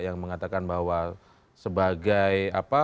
yang mengatakan bahwa sebagai